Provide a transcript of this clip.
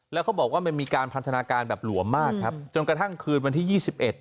แล้วเขาบอกว่ามันมีการพันธนาการแบบหลวมมากครับจนกระทั่งคืนวันที่ยี่สิบเอ็ด